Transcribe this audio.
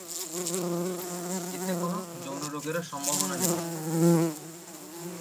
এতে কোন যৌন-রোগেরও সম্ভাবনা নেই।